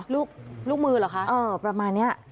ลูกลูกมือเหรอคะเออประมาณเนี้ย